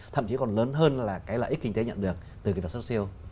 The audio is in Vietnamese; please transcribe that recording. thậm chí còn lớn hơn là cái lợi ích kinh tế nhận được từ cái vật xuất siêu